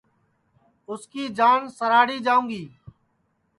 اُس کی جان سراھڑی جاوں گی